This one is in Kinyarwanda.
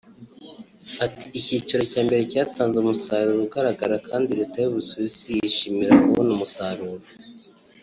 Ati “Icyiciro cya mbere cyatanze umusaruro ugaragara kandi Leta y’u Busuwisi yishimira kubona umusaruro